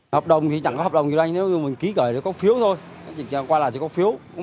hợp đồng thì chẳng có hợp đồng gì đâu anh nếu mình ký gửi thì có phiếu thôi qua lại thì có phiếu